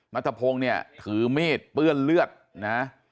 นัทพงศ์เนี่ยถือมีดเปื้อนเลือดนะ